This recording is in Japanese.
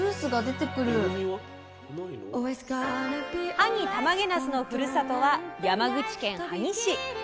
萩たまげなすのふるさとは山口県萩市。